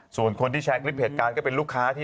ส่วนคนที่แชร์คลิปเหตุการณ์ก็เป็นลูกค้าที่